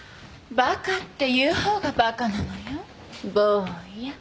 バカって言う方がバカなのよ坊や。